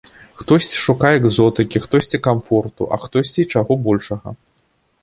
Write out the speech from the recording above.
Хтосьці шукае экзотыкі, хтосьці камфорту, а хтосьці і чаго большага.